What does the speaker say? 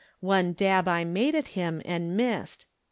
One dab I made at him and missed.